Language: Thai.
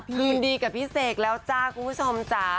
คืนดีกับพี่เสกแล้วจ้าคุณผู้ชมจ๋า